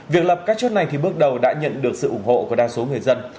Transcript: việc lập các chốt này bước đầu đã nhận được sự ủng hộ của đa số người dân